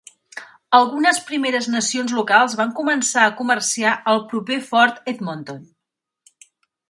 Algunes Primeres Nacions locals van començar a comerciar al proper Fort Edmonton.